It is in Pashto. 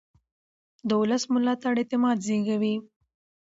د ولس ملاتړ اعتماد زېږوي